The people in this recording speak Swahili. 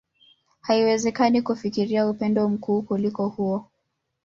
Haiwezekani kufikiria upendo mkuu kuliko huo.